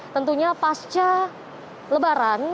tentunya pasca lebaran